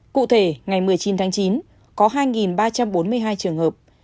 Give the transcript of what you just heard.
cụ thể ngày một mươi chín tháng chín có hai ba trăm bốn mươi hai trường hợp